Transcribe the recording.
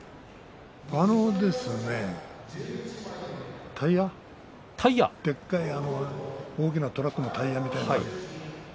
あのですねタイヤ、でっかい、大きなトラックのタイヤみたいな。